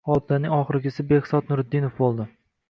G'oliblarning oxirgisi Bekzod Nuriddinov bo'ldi